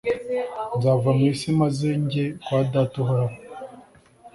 Nzava mu isi maze njye kwa Data Uhoraho